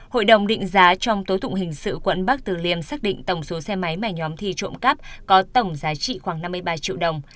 hội đồng định giá trong tối tụng hình sự quận bắc từ liêm xác định tổng số xe máy mà nhóm thi trộm cắp có tổng giá trị khoảng năm mươi ba triệu đồng